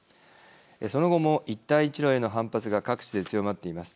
その後も一帯一路への反発が各地で強まっています。